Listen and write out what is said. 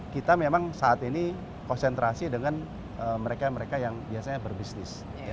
kita memang saat ini konsentrasi dengan mereka mereka yang biasanya berbisnis